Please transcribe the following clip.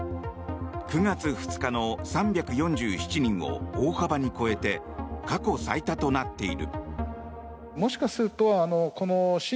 ９月２日の３４７人を大幅に超えて過去最多となっている。